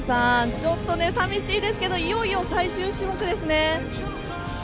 ちょっと寂しいですけどいよいよ最終種目ですね。